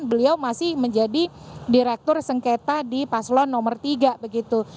beliau masih menjadi direktur sengketa di paslon nomor tiga begitu